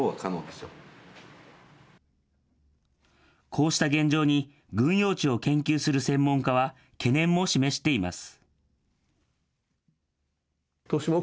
こうした現状に、軍用地を研究する専門家は、懸念も示しています。